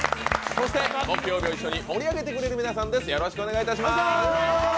そして木曜日を一緒に盛り上げてくれる皆さんです。